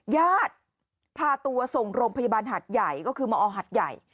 ญาติพาตัวส่งโรงพยาบาลหัดใหญ่ก็คือมอหัดใหญ่